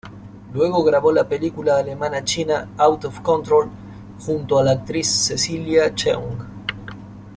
Luego, grabó la película alemana-china "Out of Control" junto a la actriz Cecilia Cheung.